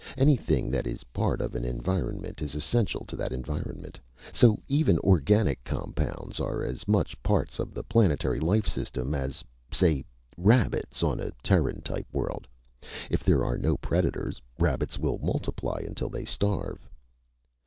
Anything that is part of an environment is essential to that environment. So even organic compounds are as much parts of a planetary life system as ... say ... rabbits on a Terran type world. If there are no predators, rabbits will multiply until they starve."